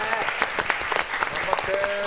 頑張って！